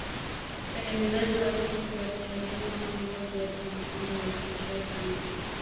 utengenezaji wa vitu vya kutalii Kama nguo viatu na mapambo vinavutia sana